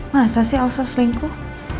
masa sih elsa selingkuh